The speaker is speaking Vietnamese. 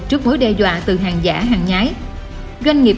trước mối đe dọa từ hàng giả hàng nhái